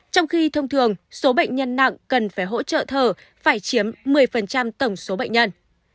trong khi thông thường số bệnh nhân nặng cần phải hỗ trợ thở phải chiếm một mươi tổng số bệnh nhân